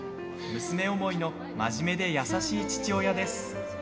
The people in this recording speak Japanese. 娘思いの真面目で優しい父親です。